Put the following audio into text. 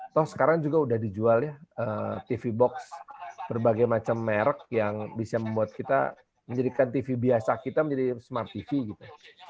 toh sekarang juga udah dijual ya tv box berbagai macam merek yang bisa membuat kita menjadikan tv biasa kita menjadi smart tv gitu